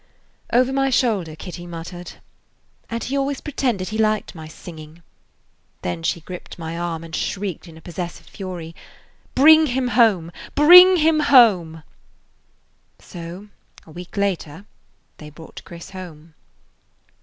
Over my shoulder Kitty muttered: "And he always pretended he liked my singing." Then she gripped my arm and shrieked in a possessive fury: "Bring him home! Bring him home!" [Page 41] So, a week later, they brought Chris home.